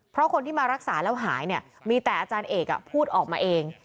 เพราะคนที่มารักษาแล้วหายเนี่ยมีแต่อาจารย์เอกพูดออกมาเอง